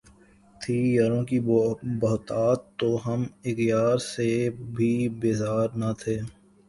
تھی یاروں کی بہتات تو ہم اغیار سے بھی بیزار نہ تھے